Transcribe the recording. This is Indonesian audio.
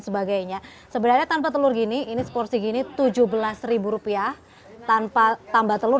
sebagainya sebenarnya tanpa telur gini ini seporsi gini tujuh belas rupiah tanpa tambah telur